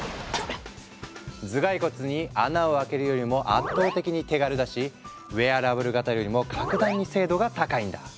頭蓋骨に穴を開けるよりも圧倒的に手軽だしウェアラブル型よりも格段に精度が高いんだ。